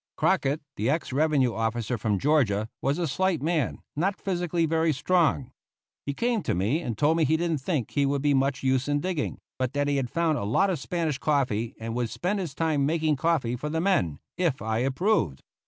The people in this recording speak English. Crockett, the ex Revenue officer from Georgia, was a slight man, not physically very strong. He came to me and told me he didn't think he would be much use in digging, but that he had found a lot of Spanish coffee and would spend his time making coffee for the men, if I approved.